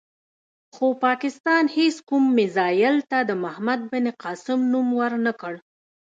خو پاکستان هېڅ کوم میزایل ته د محمد بن قاسم نوم ور نه کړ.